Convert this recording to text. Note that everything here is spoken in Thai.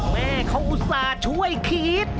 แม่เขาอุตส่าห์ช่วยคิด